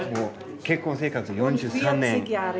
結婚生活４３年。